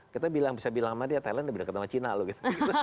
kita bisa bilang sama dia thailand lebih dekat sama china loh